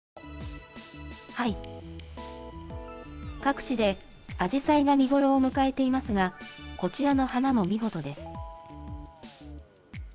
各地でアジサイが見頃を迎えていますが、こちらの花も見事です。